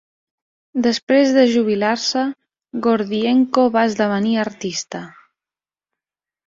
Després de jubilar-se, Gordienko va esdevenir artista.